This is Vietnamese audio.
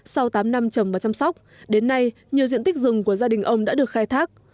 sau tám năm trồng và chăm sóc đến nay nhiều diện tích rừng của gia đình ông đã được khai thác